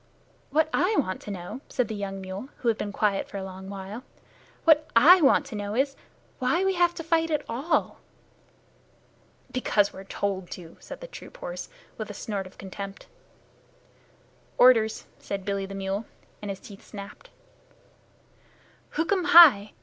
"What I want to know," said the young mule, who had been quiet for a long time "what I want to know is, why we have to fight at all." "Because we're told to," said the troop horse, with a snort of contempt. "Orders," said Billy the mule, and his teeth snapped. "Hukm hai!"